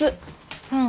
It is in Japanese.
うん。